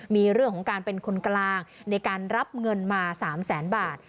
มีเรื่องของการเป็นคนกลางในการรับเงินมา๓แสนบาท